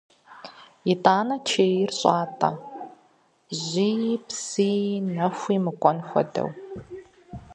ИтӀанэ чейр щӀатӀэ жьыи, псыи, нэхуи мыкӀуэн хуэдэу.